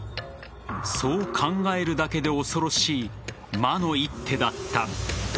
そう考えるだけで恐ろしい魔の一手だった。